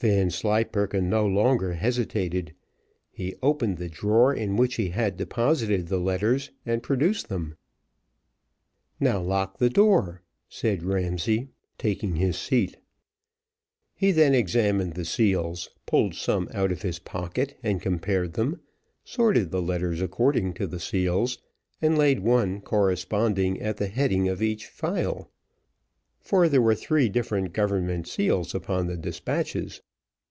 Vanslyperken no longer hesitated; he opened the drawer in which he had deposited the letters, and produced them. "Now lock the door," said Ramsay, taking his seat. He then examined the seals, pulled some out of his pocket, and compared them; sorted the letters according to the seals, and laid one corresponding at the heading of each file, for there were three different government seals upon the despatches.